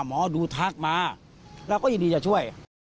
หมอดูทักมาเราก็ยินดีจะช่วย